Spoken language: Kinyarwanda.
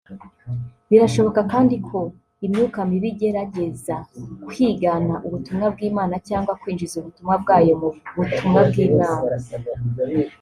Birashoboka kandi ko imyuka mibi igerageza kwigana ubutumwa bw’Imana cyangwa kwinjiza ubutumwa bwayo mu butumwa bw’Imana